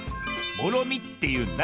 「もろみ」っていうんだ。